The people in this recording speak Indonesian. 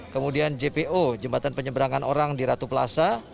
kemudian jpo jembatan penyeberangan orang di ratu plaza